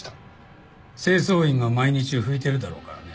清掃員が毎日拭いてるだろうからね。